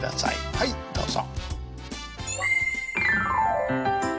はいどうぞ。